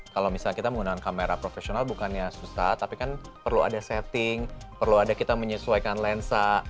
kalau misalnya kita menggunakan kamera profesional bukannya susah tapi kan perlu ada setting perlu ada kita menyesuaikan lensa